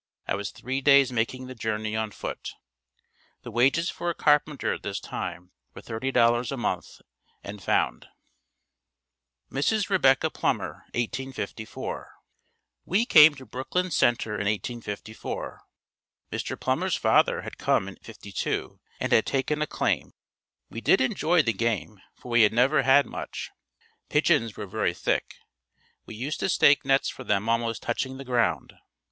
I was three days making the journey on foot. The wages for a carpenter at this time were $30.00 a month and found. Mrs. Rebecca Plummer 1854. We came to Brooklyn Center in 1854. Mr. Plummer's father had come in '52 and had taken a claim. We did enjoy the game, for we had never had much. Pigeons were very thick. We used to stake nets for them almost touching the ground.